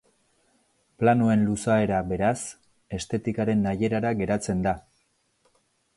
Planoen luzaera, beraz, estetikaren nahierara geratzen da.